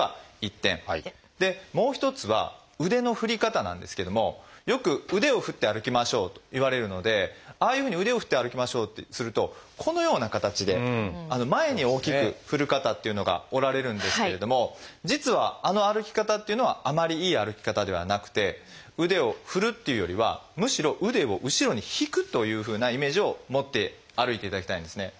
もう一つは腕の振り方なんですけどもよく腕を振って歩きましょうと言われるのでああいうふうに腕を振って歩きましょうってするとこのような形で前に大きく振る方っていうのがおられるんですけれども実はあの歩き方っていうのはあまりいい歩き方ではなくて腕を振るというよりはむしろ腕を後ろに引くというふうなイメージを持って歩いていただきたいんですね。